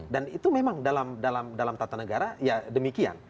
dan itu memang dalam tata negara ya demikian